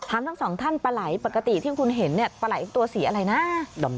ทั้งสองท่านปลาไหลปกติที่คุณเห็นเนี่ยปลาไหลตัวสีอะไรนะ